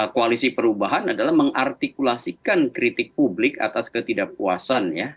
koalisi perubahan adalah mengartikulasikan kritik publik atas ketidakpuasan ya